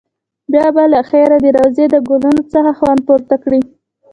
بیا به له خیره د روضې د ګلونو څخه خوند پورته کړې.